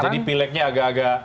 jadi pilegnya agak agak